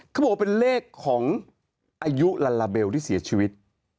เขาบอกว่าเป็นเลขของอายุลัลลาเบลที่เสียชีวิต